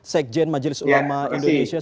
sekjen majelis ulama indonesia